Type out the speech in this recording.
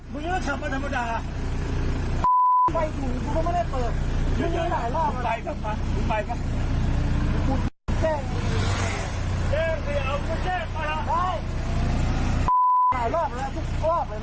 มึงยังต้องขับมาธรรมดาอ่ะไปถึงมึงไม่ได้เปิด